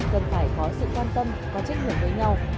cần phải có sự quan tâm có trách nhiệm với nhau